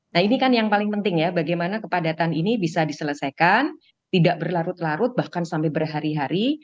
nah ini kan yang paling penting ya bagaimana kepadatan ini bisa diselesaikan tidak berlarut larut bahkan sampai berhari hari